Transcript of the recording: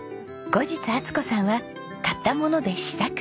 後日充子さんは買ったもので試作に挑戦。